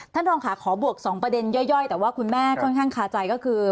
ท่านรองค่ะขอบวก๒ประเด็นย่อยแต่ว่าคุณแม่ค่อนข้างคาใจก็คือ